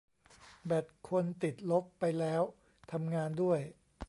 แบตคนติดลบไปแล้ว ทำงานด้วย